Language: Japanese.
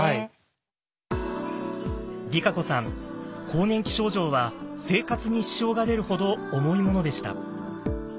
更年期症状は生活に支障が出るほど重いものでした。